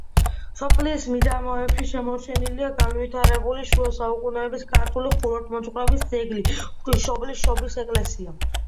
სოფლის მიდამოებში შემორჩენილია განვითარებული შუა საუკუნეების ქართული ხუროთმოძღვრების ძეგლი: ღვთისმშობლის შობის ეკლესია.